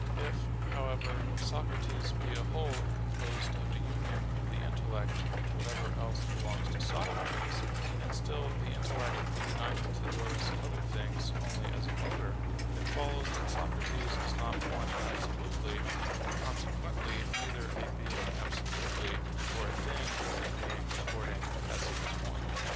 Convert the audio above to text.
If, however, Socrates be a whole composed of a union of the intellect with whatever else belongs to Socrates, and still the intellect be united to those other things only as a motor, it follows that Socrates is not one absolutely, and consequently neither a being absolutely, for a thing is a being according as it is one.